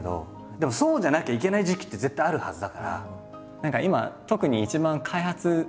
でもそうじゃなきゃいけない時期って絶対あるはずだから。